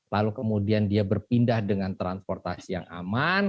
lalu kemudian dia berpindah dengan transportasi yang aman